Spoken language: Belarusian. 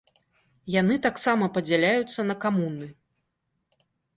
Яны таксама падзяляюцца на камуны.